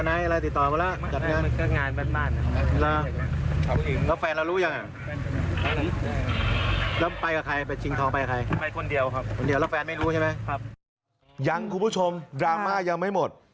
นางสาวชาวน้ำนางสาวนางสาวนางสาว